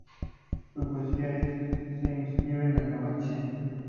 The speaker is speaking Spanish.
Su poesía se inscribe en el Romanticismo.